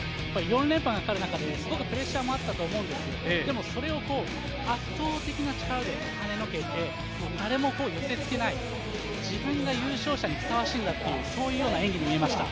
４連覇がかかる中でプレッシャーもあったと思うんですけど、それを圧倒的な力ではねのけて、誰も寄せつけない、自分が優勝者にふさわしいんだという、そういう演技になりました。